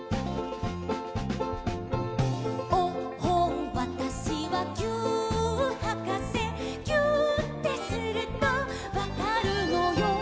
「おっほんわたしはぎゅーっはかせ」「ぎゅーってするとわかるのよ」